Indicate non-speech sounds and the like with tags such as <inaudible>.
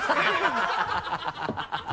ハハハ <laughs>